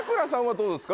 どうですか？